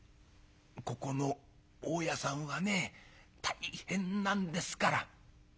「ここの大家さんはね大変なんですから」。